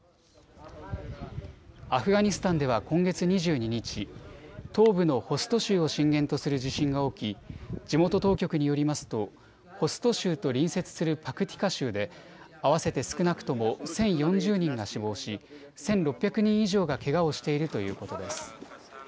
アフガニスタンでは今月２２日、東部のホスト州を震源とする地震が起き地元当局によりますとホスト州と隣接するパクティカ州で合わせて少なくとも１０４０人が死亡し１６００人以上がけがをしているということです。